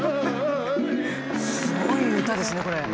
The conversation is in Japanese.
すごい歌ですねこれ。